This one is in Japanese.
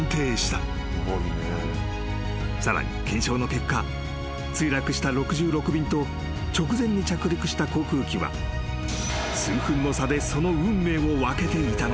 ［さらに検証の結果墜落した６６便と直前に着陸した航空機は数分の差でその運命を分けていたのだ］